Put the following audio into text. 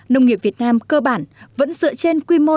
nông nghiệp việt nam cơ bản vẫn dựa trên quy mô